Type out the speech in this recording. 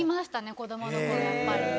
こどものころやっぱり。